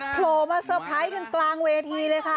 โผล่มาเตอร์ไพรส์กันกลางเวทีเลยค่ะ